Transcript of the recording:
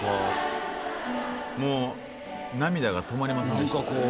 涙が止まりませんでした。